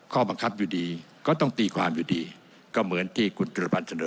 ข้อบังคับอยู่ดีก็ต้องตีความอยู่ดีก็เหมือนที่คุณธิรพันธ์เสนอ